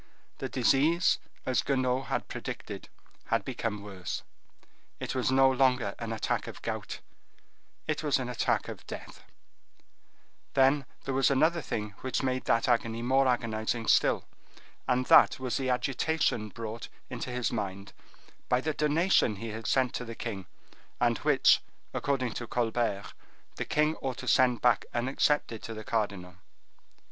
The disease, as Guenaud had predicted, had become worse; it was no longer an attack of gout, it was an attack of death; then there was another thing which made that agony more agonizing still,—and that was the agitation brought into his mind by the donation he had sent to the king, and which, according to Colbert, the king ought to send back unaccepted to the cardinal.